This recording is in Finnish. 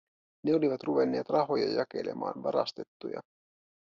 Ne olivat ruvenneet rahoja jakelemaan, varastettuja.